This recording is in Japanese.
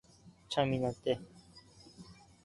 お風呂がめんどくさい